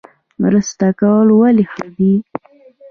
مرسته کول ولې ښه دي؟